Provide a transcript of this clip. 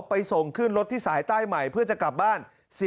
ไปส่งขึ้นรถที่สายใต้ใหม่เพื่อจะกลับบ้าน